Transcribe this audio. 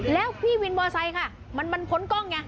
แล้วพี่วินมอไซค์ค่ะมันพ้นกล้องไง